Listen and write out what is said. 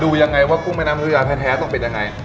ดูยังไงว่ากุ้งไม่น้ำห์พันเอียนแท้จะเป็นยังไง